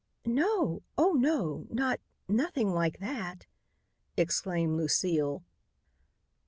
"No! Oh, no! Not nothing like that!" exclaimed Lucile.